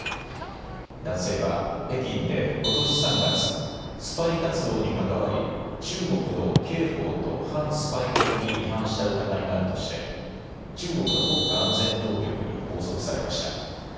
男性は北京でことし３月、スパイ活動に関わり中国の刑法と反スパイ法に違反した疑いがあるとして中国の国家安全当局に拘束されました。